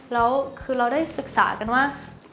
แล้วคือเราได้ศึกษากันว่า